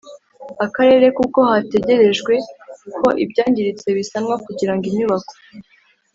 Akarere kuko hategerejwe ko ibyangiritse bisanwa kugira ngo inyubako